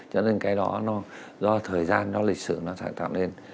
cho nên cái đó nó do thời gian do lịch sử nó phải tạo nên